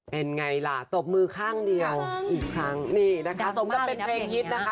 เป็นไงล่ะตบมือข้างเดียวอีกครั้งนี่นะคะสมกับเป็นเพลงฮิตนะคะ